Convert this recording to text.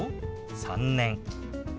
「３年」。